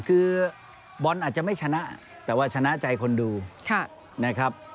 คือบอลอาจจะไม่ชนะแต่ว่าชนะใจคนดูนะครับ